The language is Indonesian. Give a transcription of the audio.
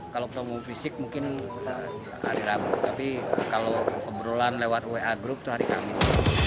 kalau ketemu fisik mungkin hari rabu tapi kalau obrolan lewat wa group itu hari kamis